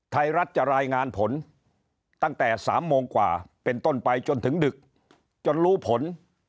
ไทยรัฐจะรายงานผลตั้งแต่๓โมงกว่าเป็นต้นไปจนถึงดึกจนรู้ผล